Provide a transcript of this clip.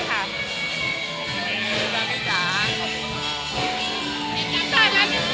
เพราะว่าเผลอแบบอีกสี่เดือนร้องไห้อยากทำขึ้นมา